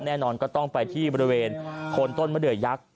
แน่นอนก็ต้องไปที่บริเวณโคนต้นมะเดือยักษ์